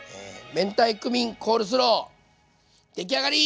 明太クミンコールスロー出来上がり！